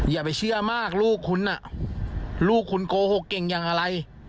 อย่าไปเชื่อมากลูกคุณลูกคุณโกหกเก่งอย่างอะไร